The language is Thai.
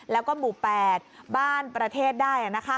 แล้วก็หมู่๘บ้านประเทศได้